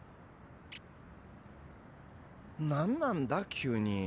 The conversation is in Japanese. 何なんだ急に。